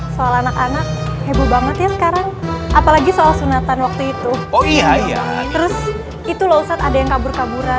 sekarang apalagi soal sunatan waktu itu oh iya terus itu lho saat ada yang kabur kaburan